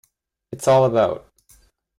It's all about.